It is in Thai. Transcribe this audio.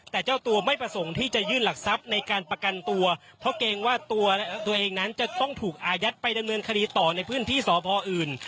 แต่เจ้าตัวไม่ประสงค์ที่จะยื่นหลักทรัพย์ในการประกันตัวเพราะเกรงว่าตัวตัวเองนั้นจะต้องถูกอายัดไปดำเนินคดีต่อในพื้นที่สพอื่น